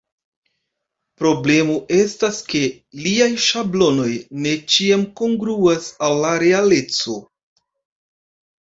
Problemo estas ke liaj ŝablonoj ne ĉiam kongruas al la realeco.